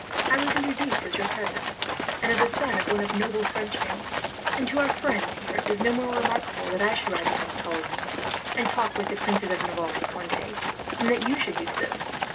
I was introduced as your cousin, and as a son of one of noble French family; and to our friends here it is no more remarkable that I should ride behind Coligny, and talk with the princes of Navarre and Conde, than that you should do so.